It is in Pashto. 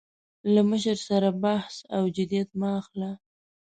له مشر سره بحث او جدیت مه اخله.